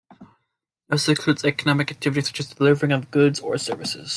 It also includes economic activity such as the delivering of goods or services.